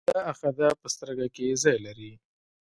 دا آخذه په سترګه کې ځای لري.